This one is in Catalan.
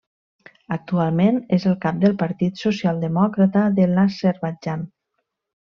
Actualment és el cap del Partit Socialdemòcrata de l'Azerbaidjan.